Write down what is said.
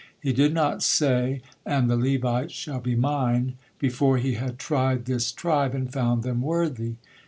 He did not say, "and the Levites shall be Mine," before He had tried this tribe, and found them worthy.